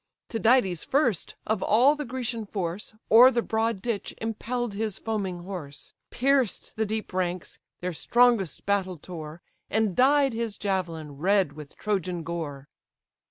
Tydides first, of all the Grecian force, O'er the broad ditch impell'd his foaming horse, Pierced the deep ranks, their strongest battle tore, And dyed his javelin red with Trojan gore.